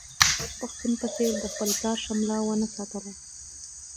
علي د یو نر پښتون په څېر د خپل پلار شمله و نه ساتله.